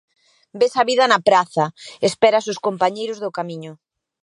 Ves a vida na praza, esperas os compañeiros do Camiño.